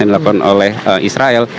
yang dilakukan oleh israel